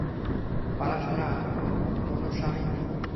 পালাস না মুনুস্বামি।